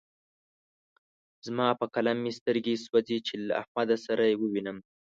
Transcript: زما په قلم مې سترګې سوځې چې له احمد سره يې ووينم.